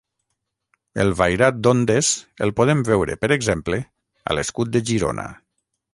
El vairat d'ondes el podem veure, per exemple, a l'escut de Girona.